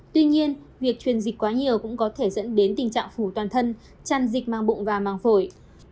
tuy nhiên việc truyền dịch quá nhiều cũng có thể dẫn đến tình trạng phủ toàn thân chăn dịch mang bụng và mang phổi